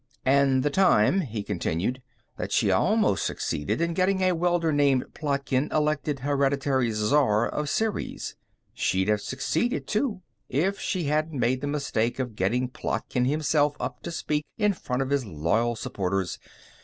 "And the time," he continued, "that she almost succeeded in getting a welder named Plotkin elected Hereditary Czar of Ceres. She'd have succeeded, too, if she hadn't made the mistake of getting Plotkin himself up to speak in front of his loyal supporters.